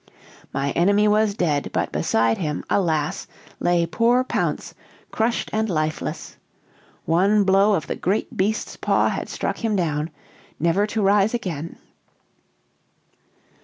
"My enemy was dead; but beside him, alas! lay poor Pounce, crushed and lifeless. One blow of the great beast's paw had struck him down, never to rise again!"